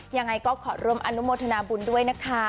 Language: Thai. ยังไงก็ขอร่วมอนุโมทนาบุญด้วยนะคะ